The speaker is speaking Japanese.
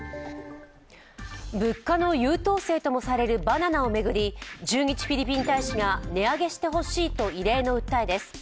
物価の優等生ともされるバナナを巡り駐日フィリピン大使が値上げしてほしいと異例の訴えです。